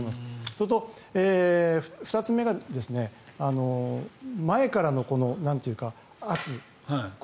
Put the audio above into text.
それと、２つ目が前からの圧